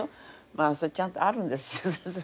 まあそれちゃんとあるんですよ。